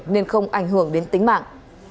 nên không ảnh hưởng đến tính mạng